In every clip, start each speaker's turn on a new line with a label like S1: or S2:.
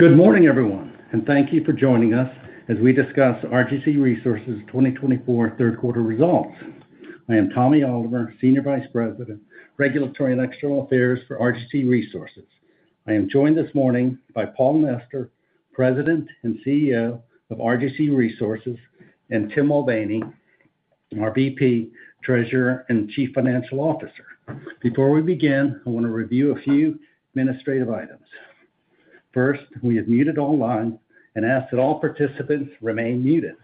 S1: Good morning, everyone, and thank you for joining us as we discuss RGC Resources' 2024 Q3 results. I am Tommy Oliver, Senior Vice President, Regulatory and External Affairs for RGC Resources. I am joined this morning by Paul Nester, President and CEO of RGC Resources, and Tim Mulvaney, our VP, Treasurer, and Chief Financial Officer. Before we begin, I want to review a few administrative items. First, we have muted online and ask that all participants remain muted.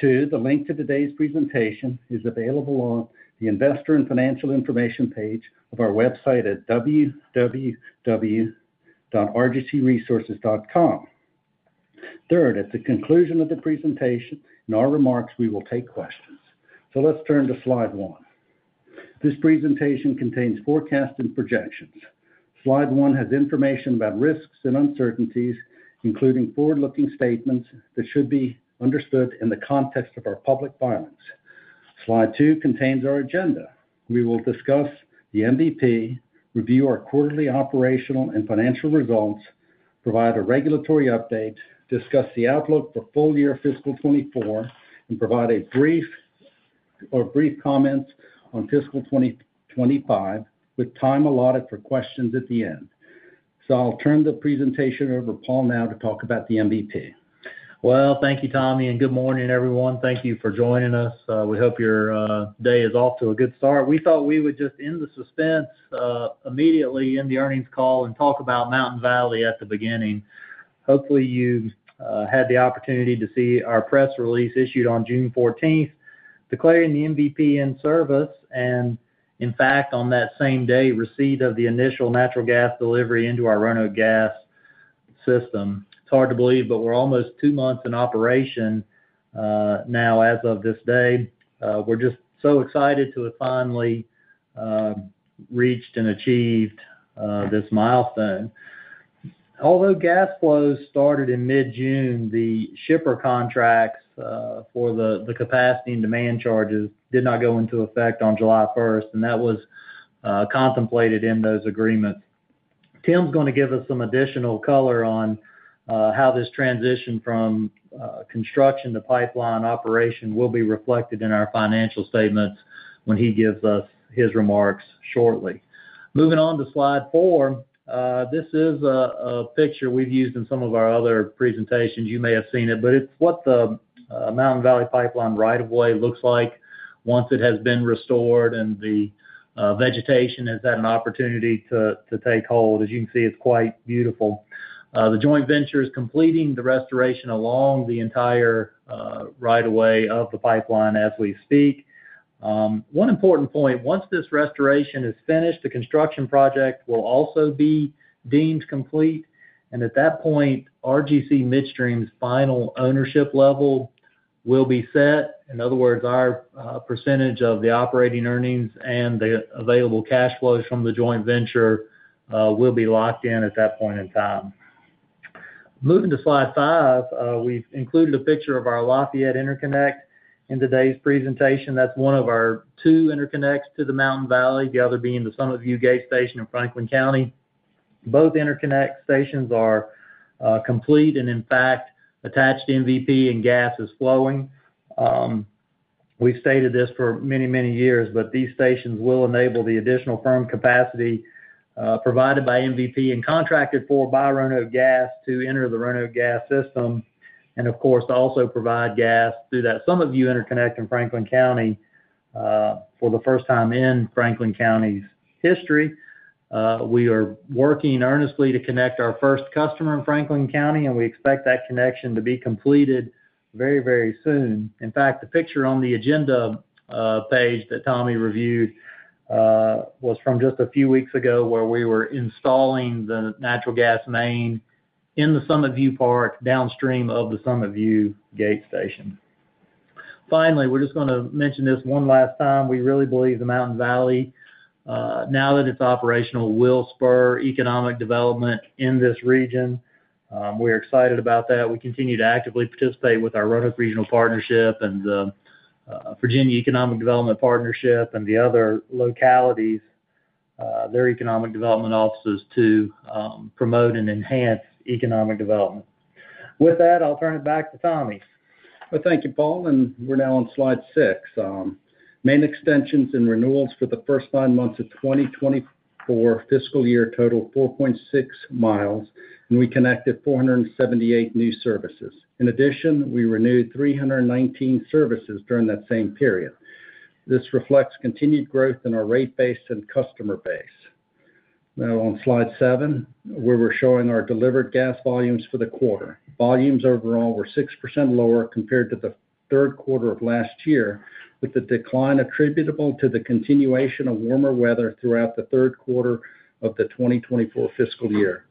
S1: Two, the link to today's presentation is available on the Investor and Financial Information page of our website at www.rgcresources.com. Third, at the conclusion of the presentation, in our remarks, we will take questions. So let's turn to slide one. This presentation contains forecasts and projections. Slide one has information about risks and uncertainties, including forward-looking statements, that should be understood in the context of our public filings. Slide two contains our agenda. We will discuss the MVP, review our quarterly operational and financial results, provide a regulatory update, discuss the outlook for full year fiscal 2024, and provide a brief or brief comments on fiscal 2025, with time allotted for questions at the end. So I'll turn the presentation over to Paul Nester now to talk about the MVP.
S2: Well, thank you, Tommy Oliver, and good morning, everyone. Thank you for joining us. We hope your day is off to a good start. We thought we would just end the suspense immediately in the earnings call and talk about Mountain Valley at the beginning. Hopefully, you've had the opportunity to see our press release issued on June 14th, declaring the MVP in service, and in fact, on that same day, receipt of the initial natural gas delivery into our Roanoke Gas system. It's hard to believe, but we're almost two months in operation now as of this day. We're just so excited to have finally reached and achieved this milestone. Although gas flows started in mid-June, the shipper contracts for the capacity and demand charges did not go into effect on July 1st, and that was contemplated in those agreements. Tim Mulvaney's gonna give us some additional color on how this transition from construction to pipeline operation will be reflected in our financial statements when he gives us his remarks shortly. Moving on to Slide four. This is a picture we've used in some of our other presentations. You may have seen it, but it's what the Mountain Valley Pipeline right of way looks like once it has been restored and the vegetation has had an opportunity to take hold. As you can see, it's quite beautiful. The joint venture is completing the restoration along the entire right of way of the pipeline as we speak. One important point, once this restoration is finished, the construction project will also be deemed complete, and at that point, RGC Midstream's final ownership level will be set. In other words, our percentage of the operating earnings and the available cash flows from the joint venture will be locked in at that point in time. Moving to Slide five, we've included a picture of our Lafayette interconnect in today's presentation. That's one of our two interconnects to the Mountain Valley, the other being the Summit View Gate Station in Franklin County. Both interconnect stations are complete, and in fact, attached to MVP and gas is flowing. We've stated this for many, many years, but these stations will enable the additional firm capacity provided by MVP and contracted for by Roanoke Gas to enter the Roanoke Gas system, and of course, to also provide gas through that Summit View interconnect in Franklin County for the first time in Franklin County's history. We are working earnestly to connect our first customer in Franklin County, and we expect that connection to be completed very, very soon. In fact, the picture on the agenda page that Tommy Oliver reviewed was from just a few weeks ago, where we were installing the natural gas main in the Summit View Park, downstream of the Summit View Gate Station. Finally, we're just gonna mention this one last time. We really believe the Mountain Valley, now that it's operational, will spur economic development in this region. We're excited about that. We continue to actively participate with our Roanoke Regional Partnership and the Virginia Economic Development Partnership and the other localities, their economic development offices to promote and enhance economic development. With that, I'll turn it back to Tommy Oliver.
S1: Well, thank you, Paul Nester, and we're now on slide six. Main extensions and renewals for the first nine months of 2024 fiscal year total 4.6 miles, and we connected 478 new services. In addition, we renewed 319 services during that same period. This reflects continued growth in our rate base and customer base. Now, on slide seven, where we're showing our delivered gas volumes for the quarter. Volumes overall were 6% lower compared to the Q3 of last year, with the decline attributable to the continuation of warmer weather throughout the Q3 of the 2024 fiscal year.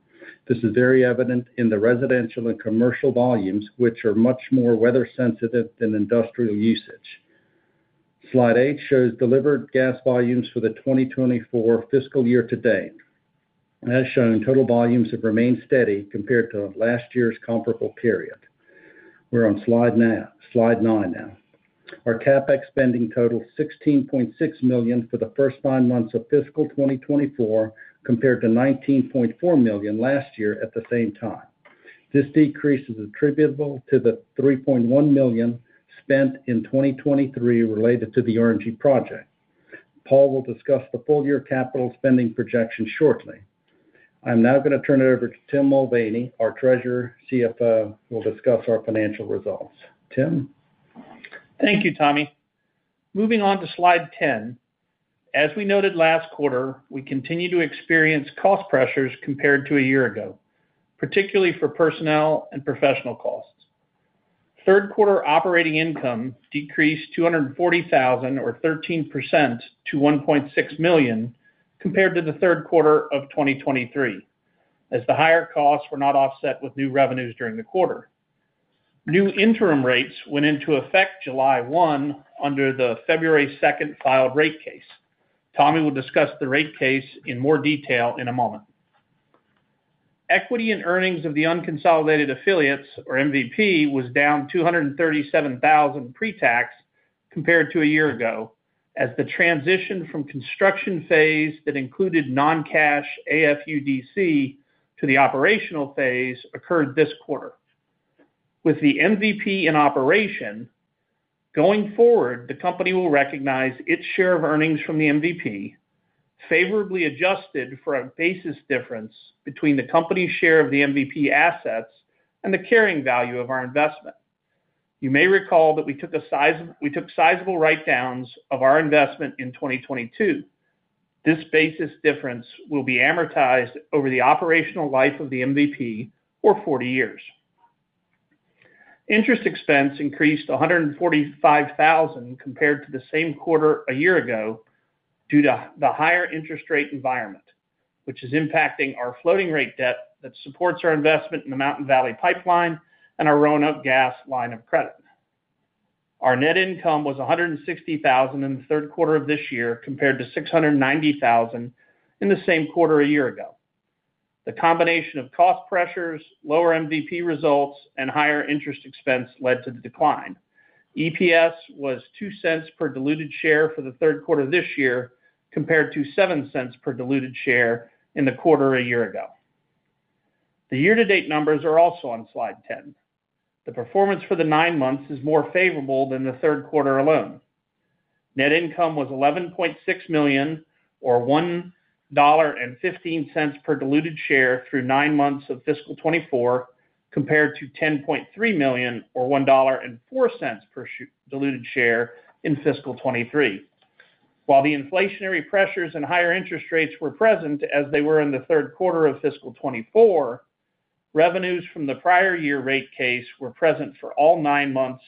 S1: This is very evident in the residential and commercial volumes, which are much more weather sensitive than industrial usage. Slide eight shows delivered gas volumes for the 2024 fiscal year to date. As shown, total volumes have remained steady compared to last year's comparable period. We're on slide nine now. Our CapEx spending totaled $16.6 million for the first nine months of fiscal 2024, compared to $19.4 million last year at the same time. This decrease is attributable to the $3.1 million spent in 2023 related to the RNG project. Paul Nester will discuss the full year capital spending projection shortly. I'm now gonna turn it over to Tim Mulvaney, our Treasurer CFO, who will discuss our financial results. Tim Mulvaney?
S3: Thank you, Tommy Oliver. Moving on to slide 10. As we noted last quarter, we continue to experience cost pressures compared to a year ago, particularly for personnel and professional costs. Q3 operating income decreased $240,000, or 13%, to $1.6 million, compared to the Q3 of 2023, as the higher costs were not offset with new revenues during the quarter. New interim rates went into effect July 1st, under the February 2nd filed rate case. Tommy Oliver will discuss the rate case in more detail in a moment. Equity and earnings of the unconsolidated affiliates, or MVP, was down $237,000 pre-tax compared to a year ago, as the transition from construction phase that included non-cash AFUDC to the operational phase occurred this quarter. With the MVP in operation, going forward, the company will recognize its share of earnings from the MVP, favorably adjusted for a basis difference between the company's share of the MVP assets and the carrying value of our investment. You may recall that we took sizable write-downs of our investment in 2022. This basis difference will be amortized over the operational life of the MVP for 40 years. Interest expense increased $145,000 compared to the same quarter a year ago, due to the higher interest rate environment, which is impacting our floating rate debt that supports our investment in the Mountain Valley Pipeline and our Roanoke Gas line of credit. Our net income was $160,000 in the Q3 of this year, compared to $690,000 in the same quarter a year ago. The combination of cost pressures, lower MVP results, and higher interest expense led to the decline. EPS was $0.02 per diluted share for the Q3 this year, compared to $0.07 per diluted share in the quarter a year ago. The year-to-date numbers are also on slide 10. The performance for the nine months is more favorable than the Q3 alone. Net income was $11.6 million, or $1.15 per diluted share through nine months of fiscal 2024, compared to $10.3 million, or $1.04 per diluted share in fiscal 2023. While the inflationary pressures and higher interest rates were present as they were in the Q3 of fiscal 2024, revenues from the prior year rate case were present for all nine months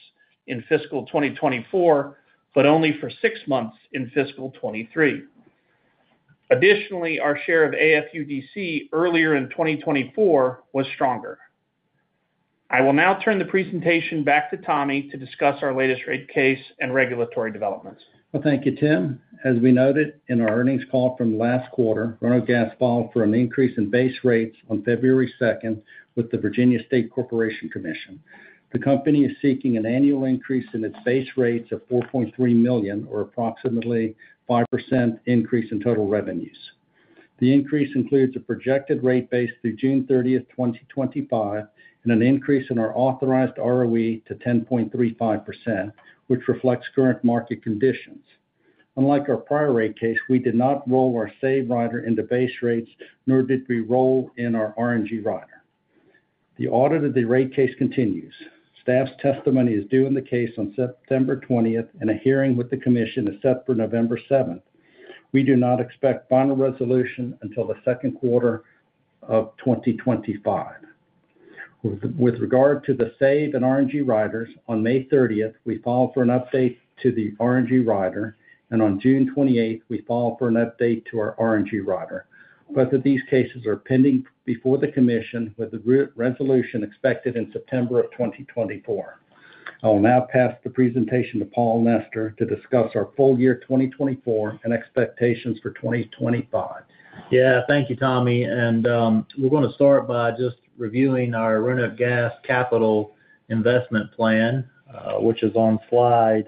S3: in fiscal 2024, but only for six months in fiscal 2023. Additionally, our share of AFUDC earlier in 2024 was stronger. I will now turn the presentation back to Tommy Oliver to discuss our latest rate case and regulatory developments.
S1: Well, thank you, Tim Mulvaney. As we noted in our earnings call from last quarter, Roanoke Gas filed for an increase in base rates on February 2nd with the Virginia State Corporation Commission. The company is seeking an annual increase in its base rates of $4.3 million, or approximately 5% increase in total revenues. The increase includes a projected rate base through June 30th, 2025, and an increase in our authorized ROE to 10.35%, which reflects current market conditions. Unlike our prior rate case, we did not roll our SAVE Rider into base rates, nor did we roll in our RNG Rider. The audit of the rate case continues. Staff's testimony is due in the case on September 20th, and a hearing with the commission is set for November 7th. We do not expect final resolution until the Q2 of 2025. With regard to the SAVE and RNG riders, on May 30th, we filed for an update to the RNG rider, and on June 28th, we filed for an update to our RNG rider. Both of these cases are pending before the commission, with the resolution expected in September 2024. I will now pass the presentation to Paul Nester to discuss our full year 2024 and expectations for 2025.
S2: Yeah, thank you, Tommy Oliver. We're gonna start by just reviewing our Roanoke Gas capital investment plan, which is on slide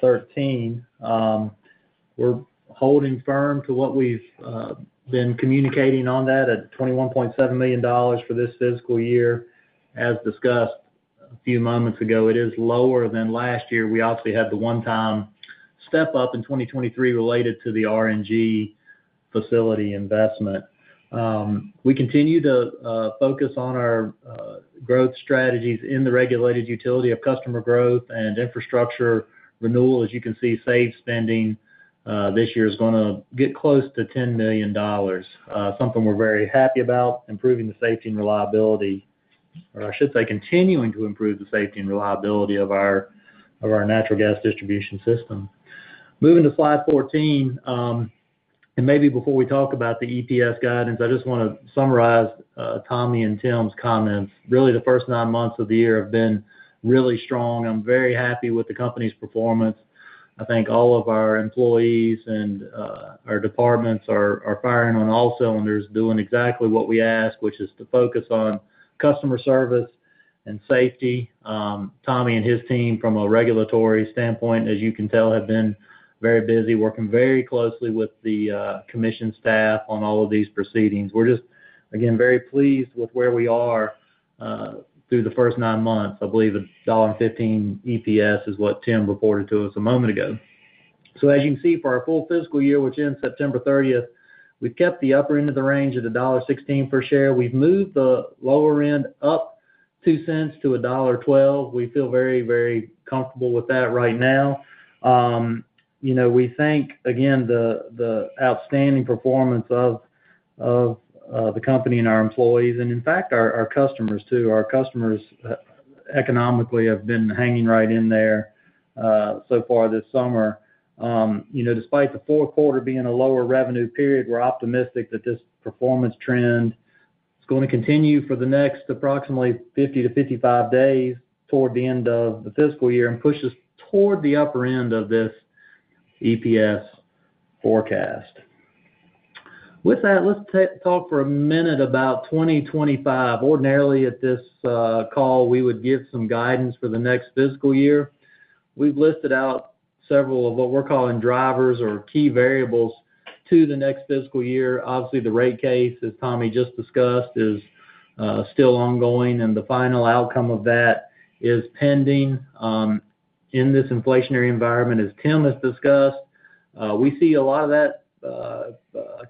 S2: 13. We're holding firm to what we've been communicating on that at $21.7 million for this fiscal year. As discussed a few moments ago, it is lower than last year. We obviously had the one-time step up in 2023 related to the RNG facility investment. We continue to focus on our growth strategies in the regulated utility of customer growth and infrastructure renewal. As you can see, SAVE spending this year is gonna get close to $10 million. Something we're very happy about, improving the safety and reliability, or I should say, continuing to improve the safety and reliability of our natural gas distribution system. Moving to slide 14, and maybe before we talk about the EPS guidance, I just wanna summarize Tommy Oliver and Tim Mulvaney's comments. Really, the first nine months of the year have been really strong. I'm very happy with the company's performance. I think all of our employees and our departments are firing on all cylinders, doing exactly what we ask, which is to focus on customer service and safety. Tommy Oliver and his team, from a regulatory standpoint, as you can tell, have been very busy working very closely with the commission staff on all of these proceedings. We're just, again, very pleased with where we are through the first nine months. I believe $1.15 EPS is what Tim Mulvaney reported to us a moment ago. So as you can see, for our full fiscal year, which ends September 30th, we've kept the upper end of the range at $1.16 per share. We've moved the lower end up $0.02 to $1.12. We feel very, very comfortable with that right now. You know, we think, again, the outstanding performance of the company and our employees, and in fact, our customers, too. Our customers economically have been hanging right in there so far this summer. You know, despite the Q4 being a lower revenue period, we're optimistic that this performance trend is going to continue for the next approximately 50 days-55 days toward the end of the fiscal year and push us toward the upper end of this EPS forecast. With that, let's talk for a minute about 2025. Ordinarily, at this call, we would give some guidance for the next fiscal year. We've listed out several of what we're calling drivers or key variables to the next fiscal year. Obviously, the rate case, as Tommy Oliver just discussed, is still ongoing, and the final outcome of that is pending. In this inflationary environment, as Tim Mulvaney has discussed, we see a lot of that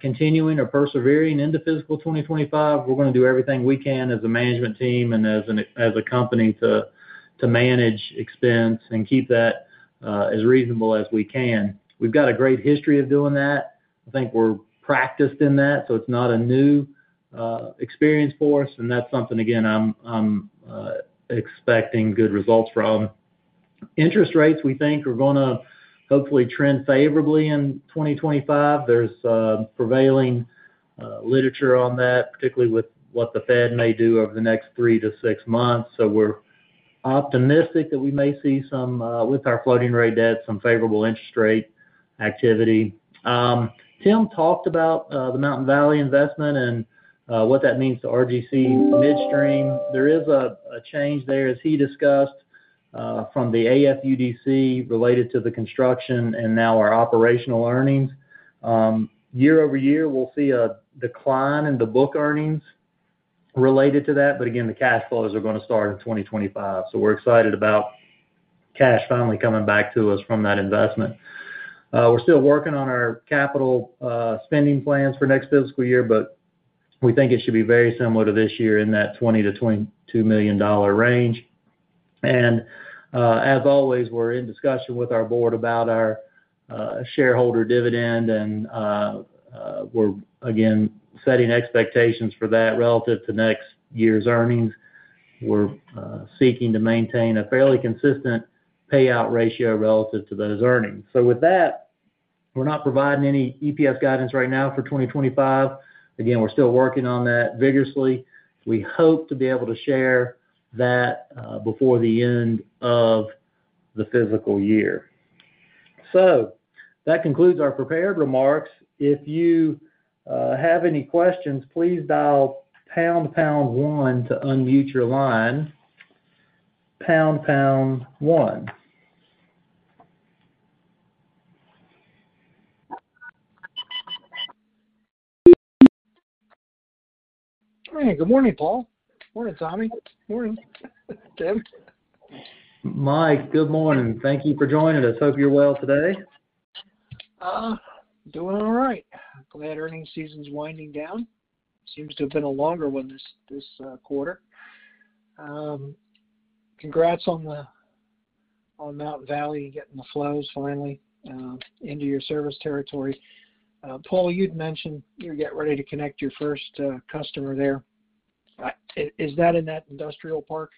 S2: continuing or persevering into fiscal 2025. We're going to do everything we can as a management team and as a company to manage expense and keep that as reasonable as we can. We've got a great history of doing that. I think we're practiced in that, so it's not a new experience for us, and that's something, again, I'm expecting good results from. Interest rates, we think, are going to hopefully trend favorably in 2025. There's prevailing literature on that, particularly with what the Fed may do over the next three to six months. So we're optimistic that we may see some with our floating rate debt, some favorable interest rate activity. Tim Mulvaney talked about the Mountain Valley investment and what that means to RGC Midstream. There is a change there, as he discussed, from the AFUDC related to the construction and now our operational earnings. Year-over-year, we'll see a decline in the book earnings related to that, but again, the cash flows are going to start in 2025. So we're excited about cash finally coming back to us from that investment. We're still working on our capital spending plans for next fiscal year, but we think it should be very similar to this year in that $20 million-$22 million range. And, as always, we're in discussion with our board about our shareholder dividend, and we're, again, setting expectations for that relative to next year's earnings. We're seeking to maintain a fairly consistent payout ratio relative to those earnings. So with that, we're not providing any EPS guidance right now for 2025. Again, we're still working on that vigorously. We hope to be able to share that before the end of the fiscal year. So that concludes our prepared remarks. If you have any questions, please dial pound, pound one to unmute your line. Pound, pound one.
S4: Hey, good morning, Paul Nester. Morning, Tommy Oliver. Morning, Tim Mulvaney.
S2: Mike, good morning. Thank you for joining us. Hope you're well today.
S4: Doing all right. Glad earning season's winding down. Seems to have been a longer one this quarter. Congrats on Mountain Valley, getting the flows finally into your service territory. Paul Nester, you'd mentioned you're getting ready to connect your first customer there. Is that in that industrial park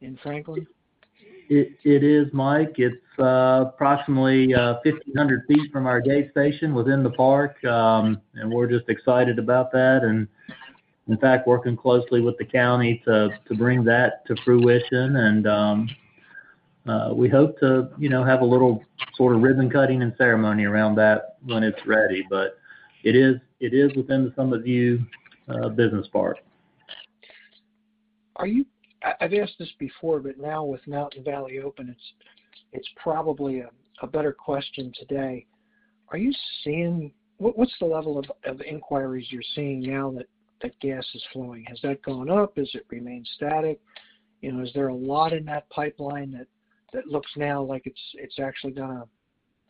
S4: in Franklin?
S2: It is, Mike. It's approximately 1,500 ft from our gate station within the park. And we're just excited about that, and in fact, working closely with the county to bring that to fruition. And we hope to, you know, have a little sort of ribbon cutting and ceremony around that when it's ready. But it is within the Summit View Business Park.
S4: Are you? I've asked this before, but now with Mountain Valley open, it's probably a better question today. Are you seeing? What's the level of inquiries you're seeing now that gas is flowing? Has that gone up? Has it remained static? You know, is there a lot in that pipeline that looks now like it's actually going to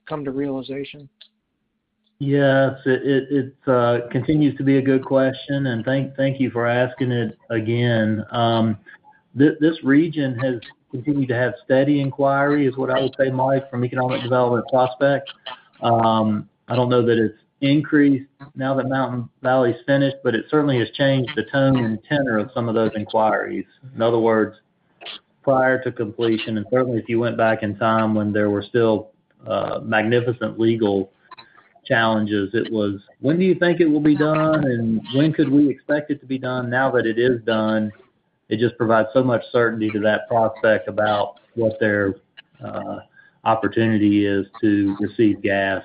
S4: come to realization?
S2: Yes, it continues to be a good question, and thank you for asking it again. This region has continued to have steady inquiry, is what I would say, Mike, from economic development prospects. I don't know that it's increased now that Mountain Valley's finished, but it certainly has changed the tone and tenor of some of those inquiries. In other words, prior to completion, and certainly if you went back in time when there were still significant legal challenges. It was, when do you think it will be done? And when could we expect it to be done? Now that it is done, it just provides so much certainty to that prospect about what their opportunity is to receive gas,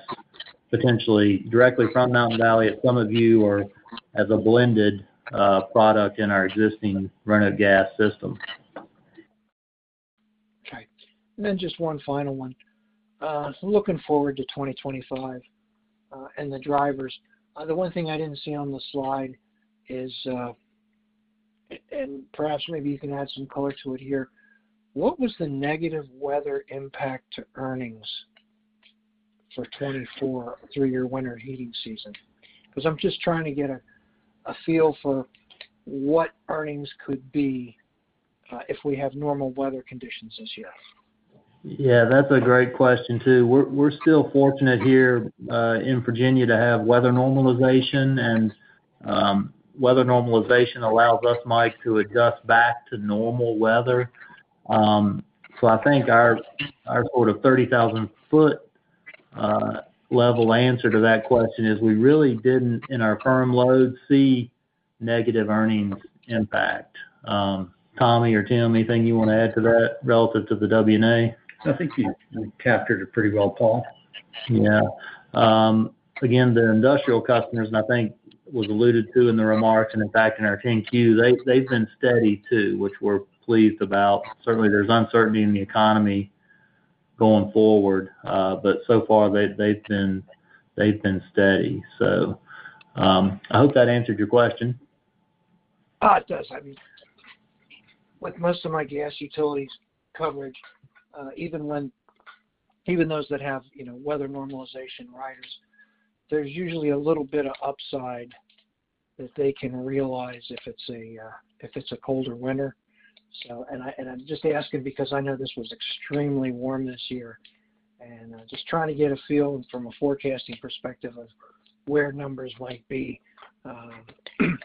S2: potentially directly from Mountain Valley at Summit View, or as a blended product in our existing Roanoke Gas system.
S4: Okay. And then just one final one. So looking forward to 2025, and the drivers, the one thing I didn't see on the slide is, and, and perhaps maybe you can add some color to it here. What was the negative weather impact to earnings for 2024 through your winter heating season? Because I'm just trying to get a feel for what earnings could be, if we have normal weather conditions this year.
S2: Yeah, that's a great question, too. We're still fortunate here in Virginia to have weather normalization, and weather normalization allows us, Mike, to adjust back to normal weather. So I think our 30,000 ft level answer to that question is, we really didn't, in our firm load, see negative earnings impact. Tommy Oliver or Tim Mulvaney, anything you want to add to that relative to the WNA?
S3: I think you captured it pretty well, Paul Nester.
S2: Yeah. Again, the industrial customers, and I think was alluded to in the remarks and, in fact, in our 10-Q, they've been steady, too, which we're pleased about. Certainly, there's uncertainty in the economy going forward, but so far, they've been steady. So, I hope that answered your question.
S4: It does. I mean, with most of my gas utilities coverage, even when even those that have, you know, weather normalization riders, there's usually a little bit of upside that they can realize if it's a colder winter. So and I'm just asking because I know this was extremely warm this year, and just trying to get a feel from a forecasting perspective of where numbers might be,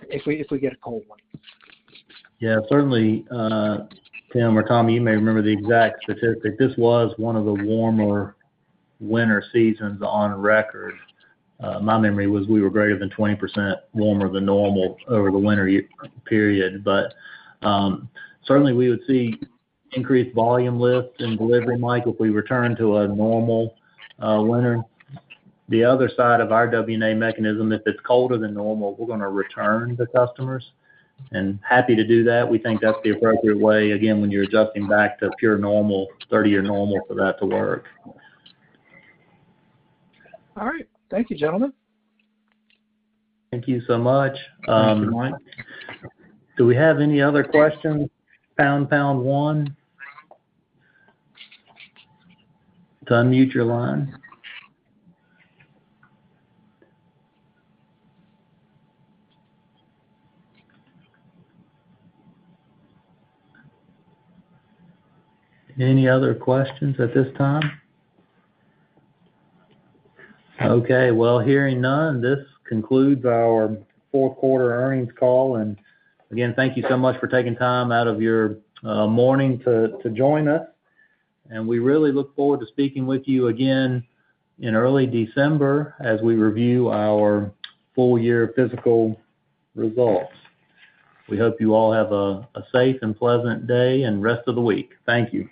S4: if we get a cold one.
S2: Yeah, certainly, Tim Mulvaney or Tommy Oliver, you may remember the exact statistic. This was one of the warmer winter seasons on record. My memory was we were greater than 20% warmer than normal over the winter period. But, certainly, we would see increased volume lift and delivery, Mike, if we return to a normal, winter. The other side of our WNA mechanism, if it's colder than normal, we're going to return the customers, and happy to do that. We think that's the appropriate way, again, when you're adjusting back to pure normal, 30-year normal, for that to work.
S4: All right. Thank you, gentlemen.
S2: Thank you so much.
S3: Thanks, Mike.
S2: Do we have any other questions, pound, pound one? To unmute your line. Any other questions at this time? Okay, well, hearing none, this concludes our Q4 earnings call. And again, thank you so much for taking time out of your morning to join us. And we really look forward to speaking with you again in early December as we review our full-year fiscal results. We hope you all have a safe and pleasant day and rest of the week. Thank you.